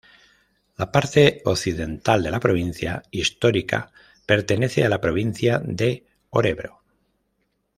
La parte occidental de la provincia histórica pertenece a la provincia de Örebro.